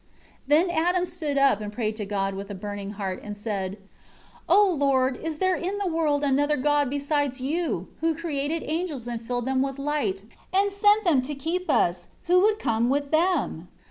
9 Then Adam stood up and prayed to God with a burning heart, and said: 10 "O Lord, is there in the world another god besides You, who created angels and filled them with light, and sent them to keep us, who would come with them?